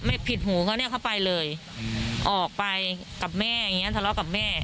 ผิดหูเขาเนี่ยเขาไปเลยออกไปกับแม่อย่างเงี้ทะเลาะกับแม่